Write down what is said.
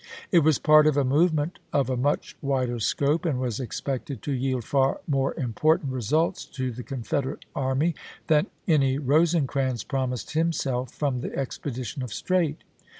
It was part of a movement of a much wider scope, and was expected to yield far more important results to the Confederate army than any Rosecrans promised himself from the expedition of Streight.